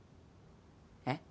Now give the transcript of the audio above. えっ？